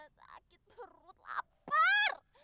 sakit perut lapar